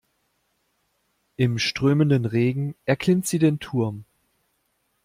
Im strömenden Regen erklimmt sie den Turm.